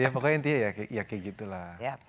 pokoknya intinya kayak gitu lah